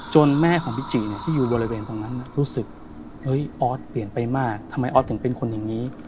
แม่ของพิจิที่อยู่บริเวณตรงนั้นรู้สึกออสเปลี่ยนไปมากทำไมออสถึงเป็นคนอย่างนี้